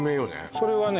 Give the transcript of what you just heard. それはね